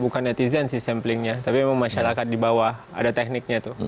bukan netizen sih samplingnya tapi memang masyarakat di bawah ada tekniknya tuh